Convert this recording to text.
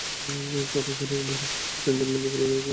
পরে ঘরের বাইরের সেপটিক ট্যাংকের মধ্যে ফেলে লাশ গুমের চেষ্টা করা হয়।